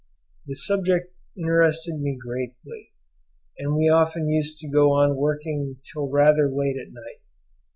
The subject interested me greatly, and we often used to go on working till rather late at night.